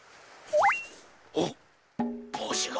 あっぼうしが。